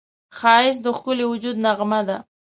ښایست د ښکلي وجود نغمه ده